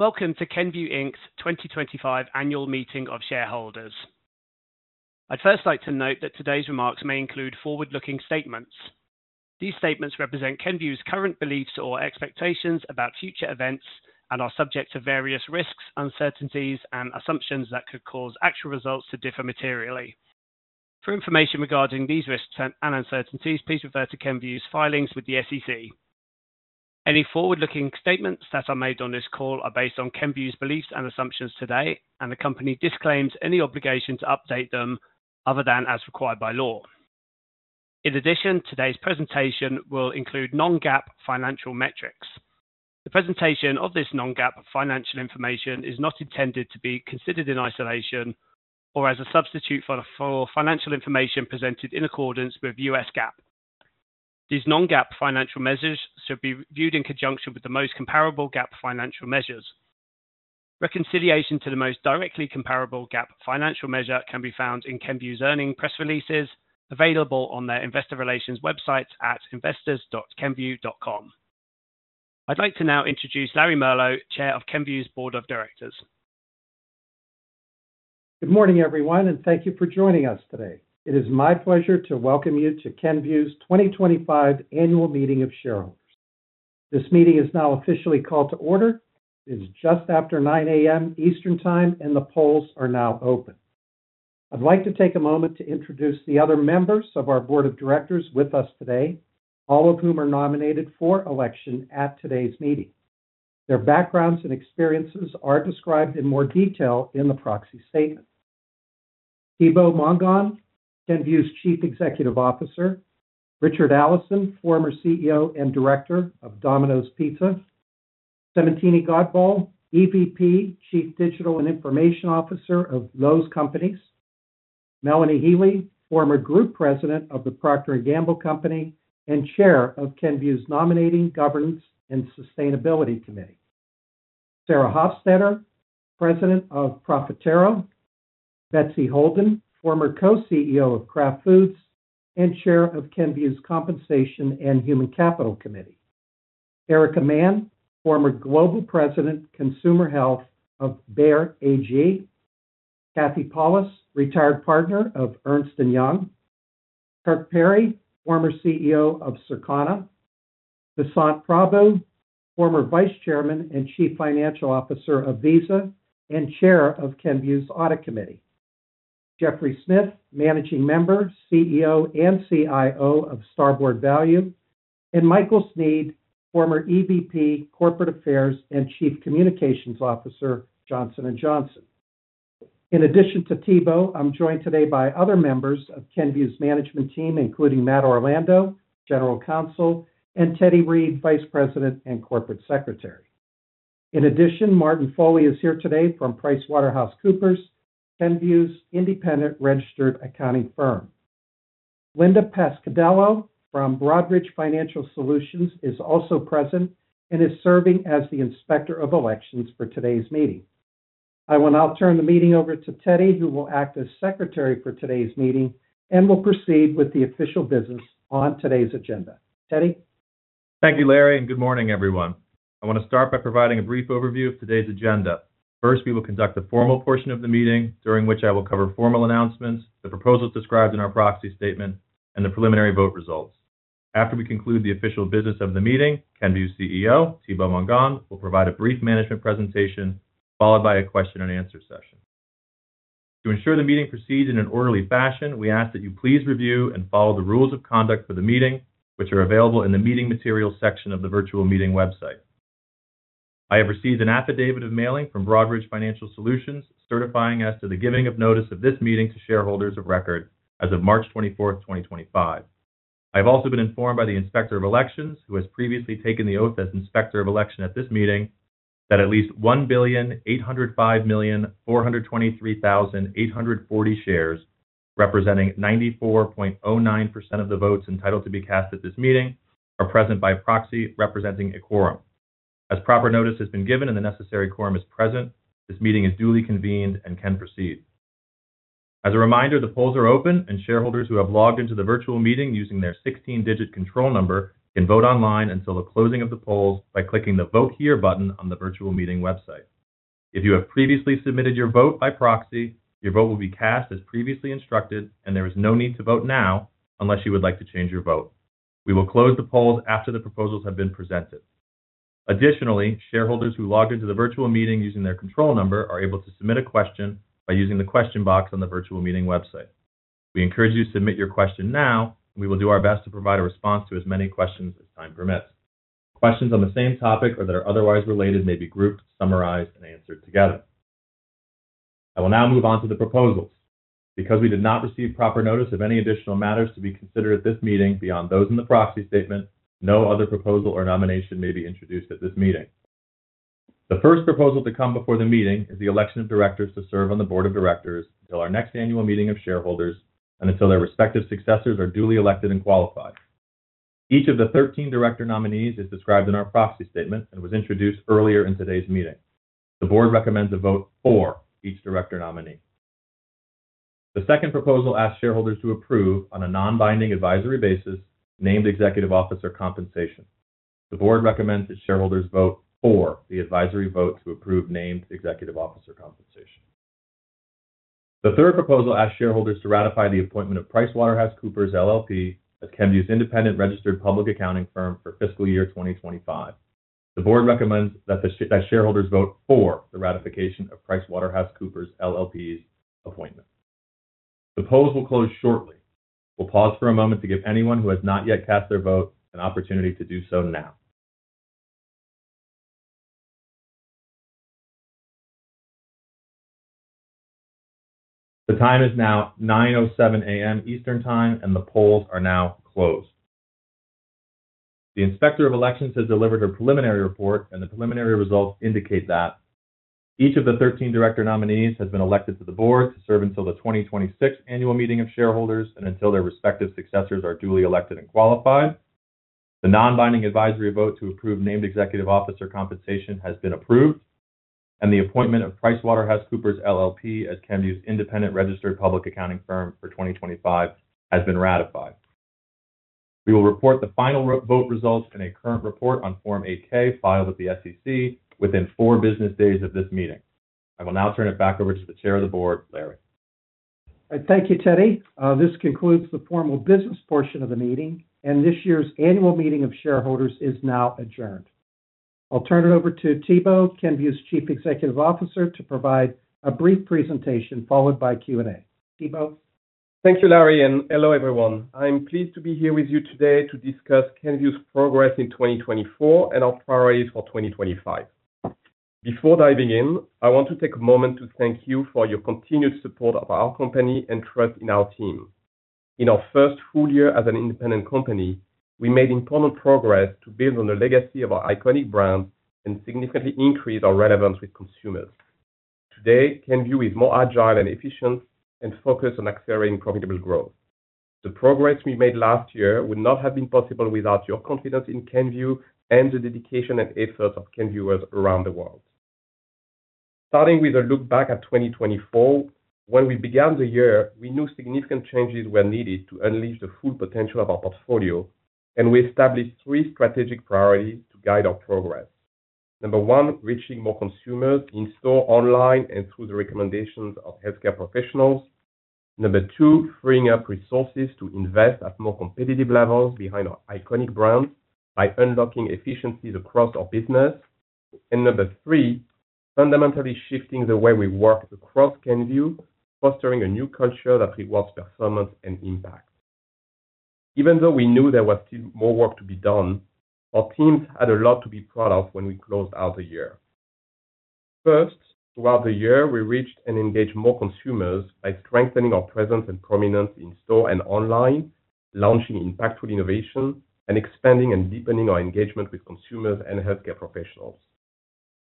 Welcome to Kenvue's 2025 Annual Meeting of Shareholders. I'd first like to note that today's remarks may include forward-looking statements. These statements represent Kenvue's current beliefs or expectations about future events and are subject to various risks, uncertainties, and assumptions that could cause actual results to differ materially. For information regarding these risks and uncertainties, please refer to Kenvue's filings with the U.S. Securities and Exchange Commission. Any forward-looking statements that are made on this call are based on Kenvue's beliefs and assumptions today, and the company disclaims any obligation to update them other than as required by law. In addition, today's presentation will include non-GAAP financial metrics. The presentation of this non-GAAP financial information is not intended to be considered in isolation or as a substitute for financial information presented in accordance with US GAAP. These non-GAAP financial measures should be viewed in conjunction with the most comparable GAAP financial measures. Reconciliation to the most directly comparable GAAP financial measure can be found in Kenvue's earnings press releases available on their investor relations website at investors.kenvue.com. I'd like to now introduce Larry Merlo, Chair of Kenvue's Board of Directors. Good morning, everyone, and thank you for joining us today. It is my pleasure to welcome you to Kenvue's 2025 Annual Meeting of Shareholders. This meeting is now officially called to order. It is just after 9:00 A.M. Eastern Time, and the polls are now open. I'd like to take a moment to introduce the other members of our Board of Directors with us today, all of whom are nominated for election at today's meeting. Their backgrounds and experiences are described in more detail in the proxy statement. Thibaut Mongon, Kenvue's Chief Executive Officer, Richard Allison, former CEO and Director of Domino's Pizza, Smita Godbole, EVP, Chief Digital and Information Officer of Lowe's Companies, Melanie Healey, former Group President of Procter & Gamble and Chair of Kenvue's Nominating, Governance, and Sustainability Committee, Sarah Hofstetter, President of Profitero, Betsy Holden, former Co-CEO of Kraft Foods and Chair of Kenvue's Compensation and Human Capital Committee, Erica Mann, former Global President, Consumer Health of Bayer AG, Kathleen Pawlus, retired partner of Ernst & Young, Kirk Perry, former CEO of Circana, Hasan Prabo, former Vice Chairman and Chief Financial Officer of Visa and Chair of Kenvue's Audit Committee, Jeffrey Smith, Managing Member, CEO and CIO of Starboard Value, and Michael Sneed, former EVP, Corporate Affairs and Chief Communications Officer, Johnson & Johnson. In addition to Thibaut, I'm joined today by other members of Kenvue's management team, including Matt Orlando, General Counsel, and Teddy Reed, Vice President and Corporate Secretary. In addition, Martin Foley is here today from PricewaterhouseCoopers, Kenvue's independent registered accounting firm. Linda Pasquidello from Broadridge Financial Solutions is also present and is serving as the Inspector of Elections for today's meeting. I will now turn the meeting over to Teddy, who will act as Secretary for today's meeting and will proceed with the official business on today's agenda. Teddy. Thank you, Larry, and good morning, everyone. I want to start by providing a brief overview of today's agenda. First, we will conduct the formal portion of the meeting, during which I will cover formal announcements, the proposals described in our proxy statement, and the preliminary vote results. After we conclude the official business of the meeting, Kenvue CEO, Thibaut Mongon, will provide a brief management presentation followed by a question-and-answer session. To ensure the meeting proceeds in an orderly fashion, we ask that you please review and follow the rules of conduct for the meeting, which are available in the Meeting Materials section of the virtual meeting website. I have received an affidavit of mailing from Broadridge Financial Solutions certifying as to the giving of notice of this meeting to shareholders of record as of March 24, 2025. I have also been informed by the Inspector of Elections, who has previously taken the oath as Inspector of Election at this meeting, that at least 1,805,423,840 shares, representing 94.09% of the votes entitled to be cast at this meeting, are present by proxy representing a quorum. As proper notice has been given and the necessary quorum is present, this meeting is duly convened and can proceed. As a reminder, the polls are open, and shareholders who have logged into the virtual meeting using their 16-digit control number can vote online until the closing of the polls by clicking the Vote Here button on the virtual meeting website. If you have previously submitted your vote by proxy, your vote will be cast as previously instructed, and there is no need to vote now unless you would like to change your vote. We will close the polls after the proposals have been presented. Additionally, shareholders who logged into the virtual meeting using their control number are able to submit a question by using the question box on the virtual meeting website. We encourage you to submit your question now, and we will do our best to provide a response to as many questions as time permits. Questions on the same topic or that are otherwise related may be grouped, summarized, and answered together. I will now move on to the proposals. Because we did not receive proper notice of any additional matters to be considered at this meeting beyond those in the proxy statement, no other proposal or nomination may be introduced at this meeting. The first proposal to come before the meeting is the election of directors to serve on the Board of Directors until our next annual meeting of shareholders and until their respective successors are duly elected and qualified. Each of the 13 director nominees is described in our proxy statement and was introduced earlier in today's meeting. The board recommends a vote for each director nominee. The second proposal asks shareholders to approve on a non-binding advisory basis named Executive Officer Compensation. The board recommends that shareholders vote for the advisory vote to approve named Executive Officer Compensation. The third proposal asks shareholders to ratify the appointment of PricewaterhouseCoopers LLP as Kenvue's independent registered public accounting firm for fiscal year 2025. The board recommends that shareholders vote for the ratification of PricewaterhouseCoopers LLP's appointment. The polls will close shortly. We'll pause for a moment to give anyone who has not yet cast their vote an opportunity to do so now. The time is now 9:07 A.M. Eastern Time, and the polls are now closed. The Inspector of Elections has delivered her preliminary report, and the preliminary results indicate that each of the 13 director nominees has been elected to the board to serve until the 2026 Annual Meeting of Shareholders and until their respective successors are duly elected and qualified. The non-binding advisory vote to approve named Executive Officer Compensation has been approved, and the appointment of PricewaterhouseCoopers LLP as Kenvue's independent registered public accounting firm for 2025 has been ratified. We will report the final vote results in a current report on Form 8-K filed with the U.S. Securities and Exchange Commission within four business days of this meeting. I will now turn it back over to the Chair of the Board, Larry. Thank you, Teddy. This concludes the formal business portion of the meeting, and this year's Annual Meeting of Shareholders is now adjourned. I'll turn it over to Thibaut, Kenvue's Chief Executive Officer, to provide a brief presentation followed by Q&A. Thibaut. Thank you, Larry, and hello, everyone. I'm pleased to be here with you today to discuss Kenvue's progress in 2024 and our priorities for 2025. Before diving in, I want to take a moment to thank you for your continued support of our company and trust in our team. In our first full year as an independent company, we made important progress to build on the legacy of our iconic brand and significantly increase our relevance with consumers. Today, Kenvue is more agile and efficient and focused on accelerating profitable growth. The progress we made last year would not have been possible without your confidence in Kenvue and the dedication and efforts of Kenvueers around the world. Starting with a look back at 2024, when we began the year, we knew significant changes were needed to unleash the full potential of our portfolio, and we established three strategic priorities to guide our progress. Number one, reaching more consumers in-store, online, and through the recommendations of healthcare professionals. Number two, freeing up resources to invest at more competitive levels behind our iconic brands by unlocking efficiencies across our business. Number three, fundamentally shifting the way we work across Kenvue, fostering a new culture that rewards performance and impact. Even though we knew there was still more work to be done, our teams had a lot to be proud of when we closed out the year. First, throughout the year, we reached and engaged more consumers by strengthening our presence and prominence in-store and online, launching impactful innovation, and expanding and deepening our engagement with consumers and healthcare professionals.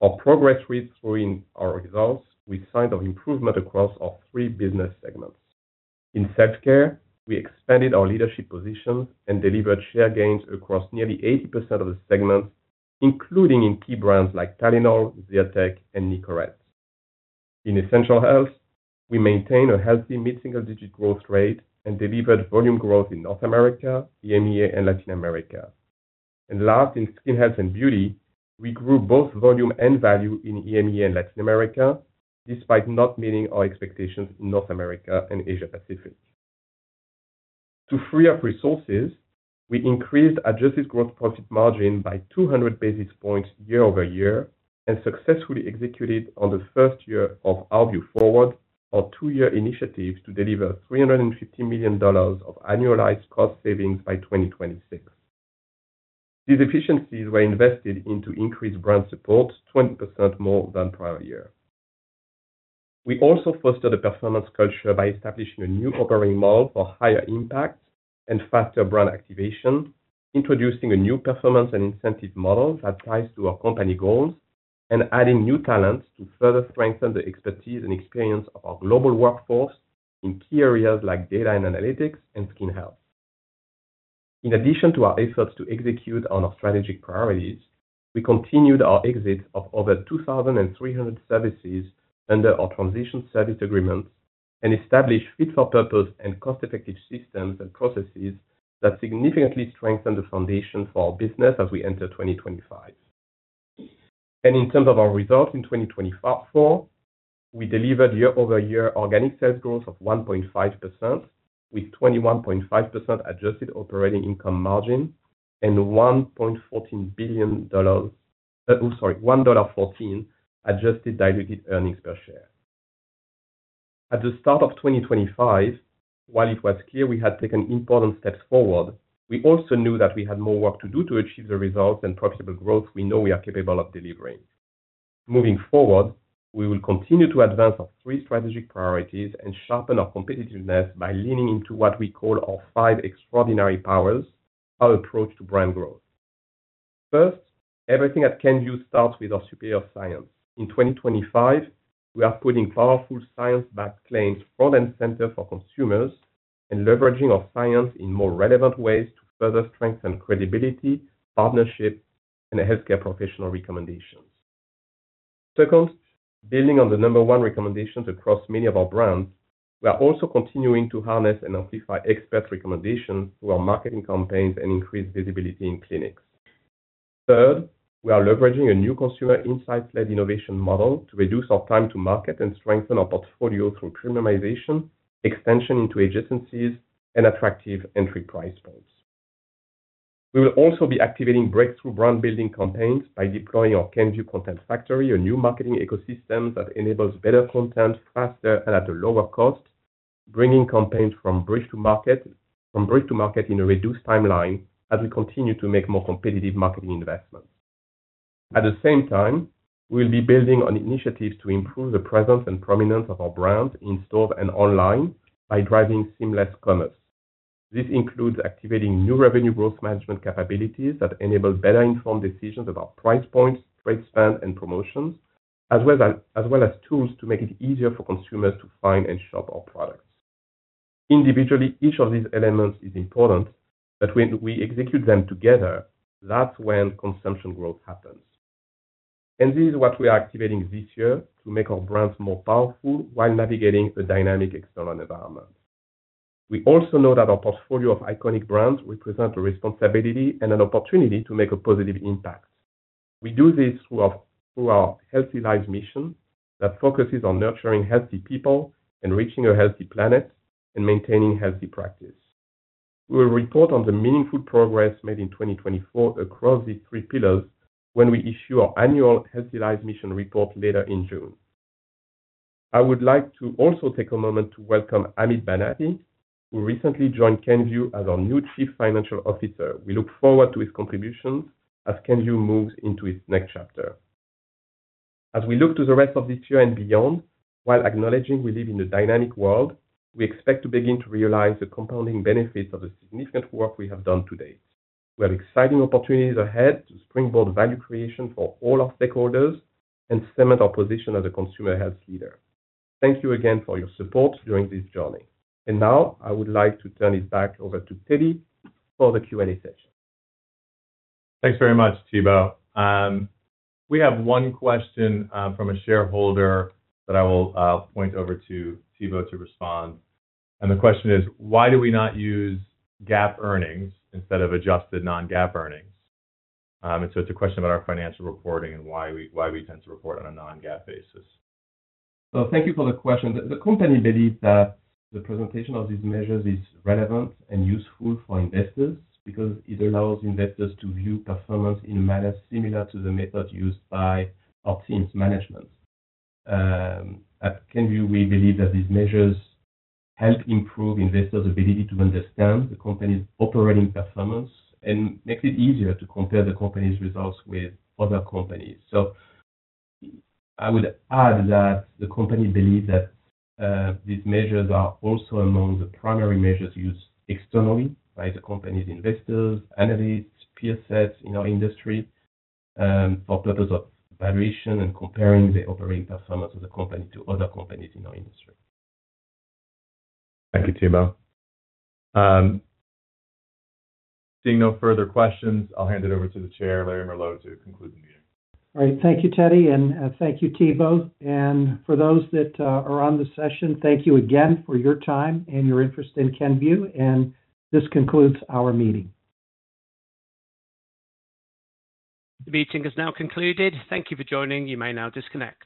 Our progress reads through in our results with signs of improvement across our three business segments. In healthcare, we expanded our leadership positions and delivered share gains across nearly 80% of the segments, including in key brands like Tylenol, Zyrtec, and Nicorette. In essential health, we maintained a healthy mid-single-digit growth rate and delivered volume growth in North America, EMEA, and Latin America. Last, in skin health and beauty, we grew both volume and value in EMEA and Latin America, despite not meeting our expectations in North America and Asia-Pacific. To free up resources, we increased adjusted gross profit margin by 200 basis points year over year and successfully executed on the first year of our view forward, our two-year initiative to deliver $350 million of annualized cost savings by 2026. These efficiencies were invested into increased brand support, 20% more than prior year. We also fostered a performance culture by establishing a new operating model for higher impact and faster brand activation, introducing a new performance and incentive model that ties to our company goals, and adding new talents to further strengthen the expertise and experience of our global workforce in key areas like data and analytics and skin health. In addition to our efforts to execute on our strategic priorities, we continued our exit of over 2,300 services under our transition service agreements and established fit-for-purpose and cost-effective systems and processes that significantly strengthened the foundation for our business as we enter 2025. In terms of our results in 2024, we delivered year-over-year organic sales growth of 1.5% with 21.5% adjusted operating income margin and $1.14 adjusted diluted earnings per share. At the start of 2025, while it was clear we had taken important steps forward, we also knew that we had more work to do to achieve the results and profitable growth we know we are capable of delivering. Moving forward, we will continue to advance our three strategic priorities and sharpen our competitiveness by leaning into what we call our five extraordinary powers, our approach to brand growth. First, everything at Kenvue starts with our superior science. In 2025, we are putting powerful science-backed claims front and center for consumers and leveraging our science in more relevant ways to further strengthen credibility, partnerships, and healthcare professional recommendations. Second, building on the number one recommendations across many of our brands, we are also continuing to harness and amplify expert recommendations through our marketing campaigns and increase visibility in clinics. Third, we are leveraging a new consumer insights-led innovation model to reduce our time to market and strengthen our portfolio through premiumization, extension into adjacencies, and attractive entry price points. We will also be activating breakthrough brand-building campaigns by deploying our Kenvue Content Factory, a new marketing ecosystem that enables better content faster and at a lower cost, bringing campaigns from brief to market in a reduced timeline as we continue to make more competitive marketing investments. At the same time, we will be building on initiatives to improve the presence and prominence of our brand in-store and online by driving seamless commerce. This includes activating new revenue growth management capabilities that enable better-informed decisions about price points, trade spans, and promotions, as well as tools to make it easier for consumers to find and shop our products. Individually, each of these elements is important, but when we execute them together, that's when consumption growth happens. This is what we are activating this year to make our brands more powerful while navigating a dynamic external environment. We also know that our portfolio of iconic brands represents a responsibility and an opportunity to make a positive impact. We do this through our Healthy Lives mission that focuses on nurturing healthy people, enriching a healthy planet, and maintaining healthy practice. We will report on the meaningful progress made in 2024 across these three pillars when we issue our annual Healthy Lives mission report later in June. I would like to also take a moment to welcome Amit Banati, who recently joined Kenvue as our new Chief Financial Officer. We look forward to his contributions as Kenvue moves into its next chapter. As we look to the rest of this year and beyond, while acknowledging we live in a dynamic world, we expect to begin to realize the compounding benefits of the significant work we have done to date. We have exciting opportunities ahead to springboard value creation for all our stakeholders and cement our position as a consumer health leader. Thank you again for your support during this journey. I would like to turn it back over to Teddy for the Q&A session. Thanks very much, Thibaut. We have one question from a shareholder that I will point over to Thibaut to respond. The question is, why do we not use GAAP earnings instead of adjusted non-GAAP earnings? It is a question about our financial reporting and why we tend to report on a non-GAAP basis. Thank you for the question. The company believes that the presentation of these measures is relevant and useful for investors because it allows investors to view performance in a manner similar to the method used by our team's management. At Kenvue, we believe that these measures help improve investors' ability to understand the company's operating performance and make it easier to compare the company's results with other companies. I would add that the company believes that these measures are also among the primary measures used externally by the company's investors, analysts, peer sets in our industry for purpose of evaluation and comparing the operating performance of the company to other companies in our industry. Thank you, Thibaut. Seeing no further questions, I'll hand it over to the Chair, Larry Merlo, to conclude the meeting. All right. Thank you, Teddy, and thank you, Thibaut. For those that are on the session, thank you again for your time and your interest in Kenvue, and this concludes our meeting. The meeting is now concluded. Thank you for joining. You may now disconnect.